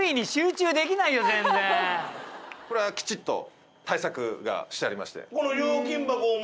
これはきちっと対策がしてありまして。